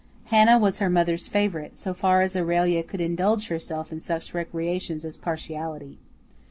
Hannah was her mother's favorite, so far as Aurelia could indulge herself in such recreations as partiality.